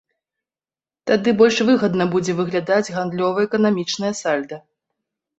Тады больш выгадна будзе выглядаць гандлёва-эканамічнае сальда.